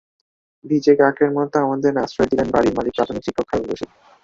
ভিজে কাকের মতো আমাদের আশ্রয় দিলেন বাড়ির মালিক প্রাথমিক শিক্ষক হারুনর রশীদ।